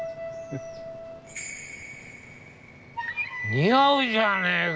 似合うじゃねえか。